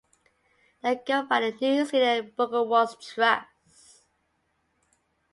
They are governed by the New Zealand Book Awards Trust.